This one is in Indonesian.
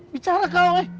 bicara kau eh